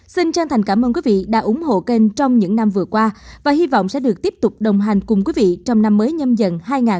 xin chân thành cảm ơn quý vị đã ủng hộ kênh trong những năm vừa qua và hy vọng sẽ được tiếp tục đồng hành cùng quý vị trong năm mới nhâm dần hai nghìn hai mươi bốn